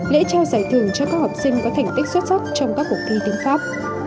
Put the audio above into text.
lễ trao giải thưởng cho các học sinh có thành tích xuất sắc trong các cuộc thi tiếng khóc